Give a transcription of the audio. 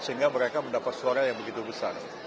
sehingga mereka mendapat suara yang begitu besar